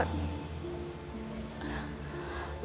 aku takut banget